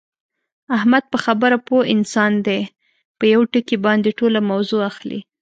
احمد په خبره پوه انسان دی، په یوه ټکي باندې ټوله موضع اخلي.